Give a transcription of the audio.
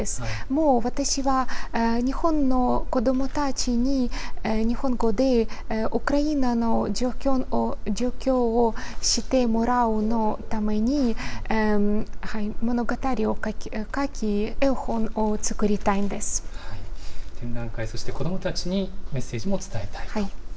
もう私は、日本の子どもたちに、日本語でウクライナの状況を知ってもらうために、物語を書き、絵展覧会、そして子どもたちにメッセージも伝えたいと。